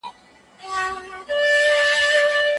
د امنیت شکر.